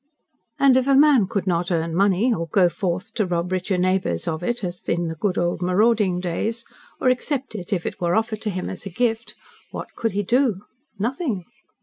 And, if a man could not earn money or go forth to rob richer neighbours of it as in the good old marauding days or accept it if it were offered to him as a gift what could he do? Nothing.